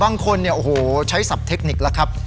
บางคนเนี่ยโอ้โฮใช้สับเทคนิคละครับ